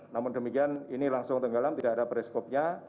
namun demikian ini langsung tenggelam tidak ada bereskopnya